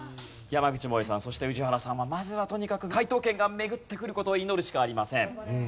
山口もえさんそして宇治原さんはまずはとにかく解答権が巡ってくる事を祈るしかありません。